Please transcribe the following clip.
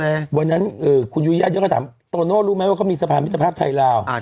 เมื่อนั้นเอ๋อคุณธุงญาติเยอะก็ถามโตโน่รู้ไหมว่ามีสะพานมิตรภาพไทยลาว